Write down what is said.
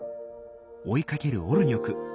追いかけるオルニョク。